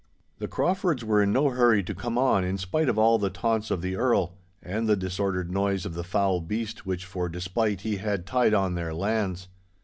The Craufords were in no hurry to come on in spite of all the taunts of the Earl, and the disordered noise of the foul beast which for despite he had tied on their lands.